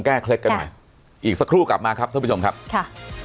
เคล็ดกันหน่อยอีกสักครู่กลับมาครับท่านผู้ชมครับค่ะ